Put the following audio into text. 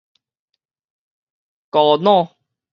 仡佬